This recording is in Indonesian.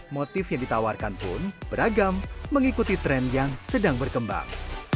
motif yang ditawarkan pun beragam mengikuti tren yang sedang berkembang